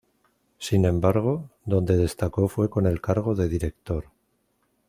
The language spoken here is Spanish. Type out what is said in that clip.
Sin embargo, donde destacó fue con el cargo de director.